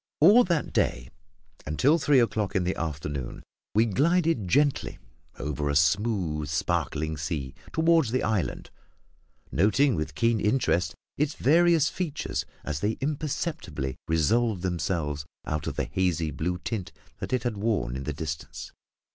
All that day, until three o'clock in the afternoon, we glided gently along over a smooth, sparkling sea, toward the island, noting with keen interest its various features as they imperceptibly resolved themselves out of the hazy blue tint that it had worn in the distance.